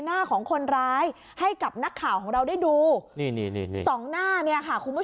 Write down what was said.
หน้าของคนร้ายให้กับนักข่าวเราได้ดู๒หน้าเนี่ยคะคุณผู้